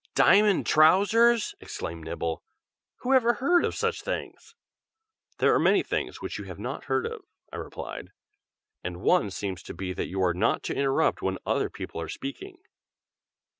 "Diamond trousers!" exclaimed Nibble. "Who ever heard of such things!" "There are many things which you have not heard of," I replied, "and one seems to be that you are not to interrupt when other people are speaking."